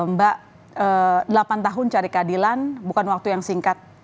mbak delapan tahun cari keadilan bukan waktu yang singkat